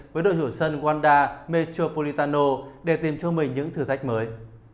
với đội chủ sân wanda metropolitano để tìm cho mình những thử thách mới